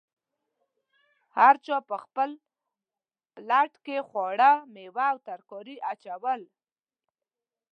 هر چا په خپل پلیټ کې خواړه، میوه او ترکاري اچول.